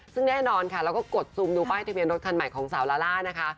ซึ่งแน่นอนค่ะเราก็กดซูมดูป้ายทะเบียนรถคันใหม่ของสาวลาล่านะคะ